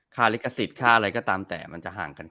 ค่าลิขสิทธ์ค่าไรก็ตามแต่มันจะห่างกันค่าเยอะ